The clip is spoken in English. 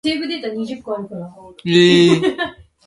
The City of Ross is served by the West Independent School District.